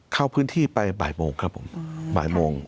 เข้าพื้นที่ไปบ่ายโมงครับผมบ่ายโมง